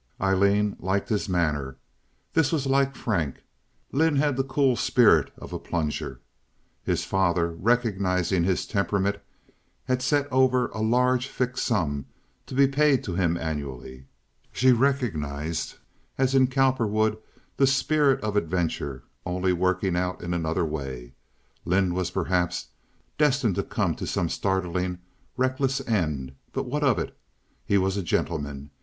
Aileen liked his manner. This was like Frank. Lynde had the cool spirit of a plunger. His father, recognizing his temperament, had set over a large fixed sum to be paid to him annually. She recognized, as in Cowperwood, the spirit of adventure, only working out in another way. Lynde was perhaps destined to come to some startlingly reckless end, but what of it? He was a gentleman.